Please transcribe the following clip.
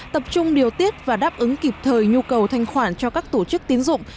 tập trung điều tiết và đáp ứng kịp thời nhu cầu thanh khoản cho các tổ chức tín dụng